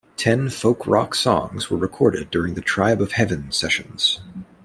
Ten folk rock songs were recorded during the Tribe of Heaven sessions.